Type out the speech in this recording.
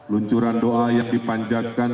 luncuran doa yang dipanjakan